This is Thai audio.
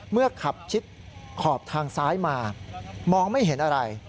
ขับชิดขอบทางซ้ายมามองไม่เห็นอะไร